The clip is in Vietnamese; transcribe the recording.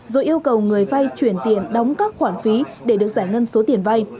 rồi yêu cầu người vay chuyển tiền đóng các khoản phí để được giải ngân số tiền vay